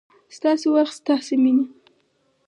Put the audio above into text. ستاسو وخت، ستاسو مینه